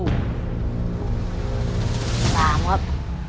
ตัวเลือกที่สามครับ